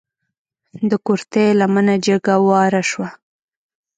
د کورتۍ لمنه جګه واره شوه.